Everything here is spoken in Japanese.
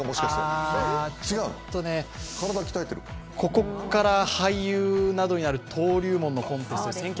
ここから俳優などになる登竜門のコンテスト